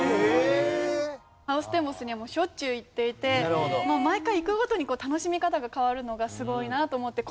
ハウステンボスにはしょっちゅう行っていて毎回行くごとに楽しみ方が変わるのがすごいなと思って。